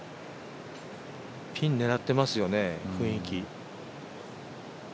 ピン狙ってますよね、雰囲気。